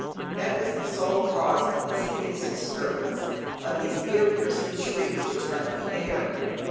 That was the sole cause of this hideous disturbance, of these ear piercing shrieks which rent the air.